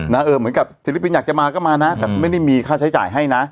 เหมือนกับศิลปินอยากจะมาก็มานะแต่ไม่ได้มีค่าใช้จ่ายให้นะ